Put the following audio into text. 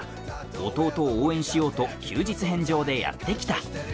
弟を応援しようと休日返上でやって来た。